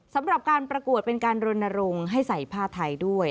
สำหรับการประกวดเป็นการรณรงค์ให้ใส่ผ้าไทยด้วย